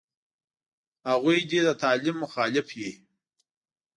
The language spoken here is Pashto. هغوی دې د تعلیم مخالف وي.